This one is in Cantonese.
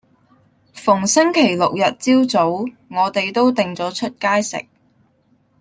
逢星期六日朝早，我哋都定咗出街食